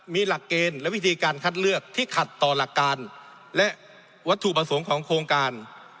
มีหลักเกณฑ์และวิธีการคัดเลือกที่ขัดต่อหลักการและวัตถุประสงค์ของโครงการ